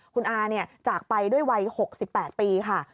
คุณอาจากไปด้วยวัย๖๘ปีค่ะ